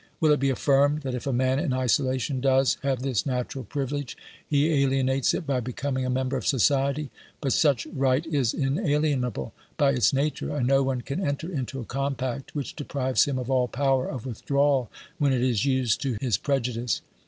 Will it be affirmed that if man in isolation does have this natural privilege, he alienates it by becoming a member of society ! But such right is inalienable by its nature, and no one can enter into a compact which deprives him of all power of withdrawal when it is used 148 OBERMANN to his prejudice.